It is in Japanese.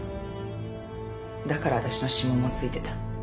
だからわたしの指紋も付いてた。